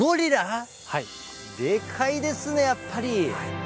でかいですねやっぱり！